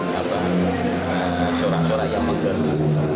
dan seorang seorang yang mengganggu